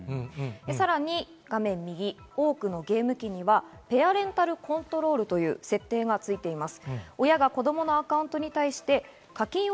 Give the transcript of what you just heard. さらに多くのゲーム機にはペアレンタルコントロールという設定がついています。